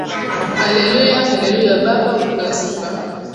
Hallelujah hallelujah baba upewe sifa.